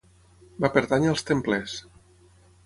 Va pertànyer als templers.